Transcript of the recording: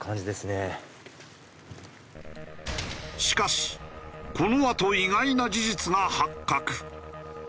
しかしこのあと意外な事実が発覚。